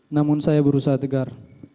namun saya berusaha tegar